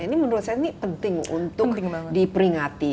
ini menurut saya ini penting untuk diperingati